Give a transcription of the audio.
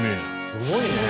すごいね。